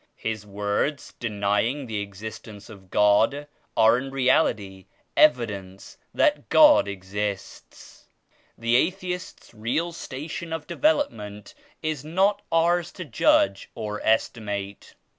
His words denying the existence of God are in reality evidence that God exists. The atheists real station of develop ment is not ours to judge or estimate.